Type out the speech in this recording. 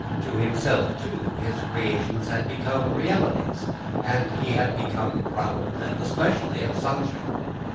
To himself, too, his creations had become realities, and he had become proud of them, especially of Sancho.